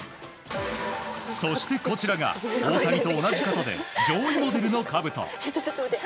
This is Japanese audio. そして、こちらが大谷と同じ型で上位モデルのかぶと。